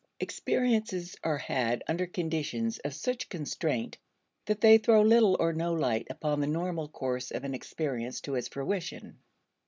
Experiences are had under conditions of such constraint that they throw little or no light upon the normal course of an experience to its fruition.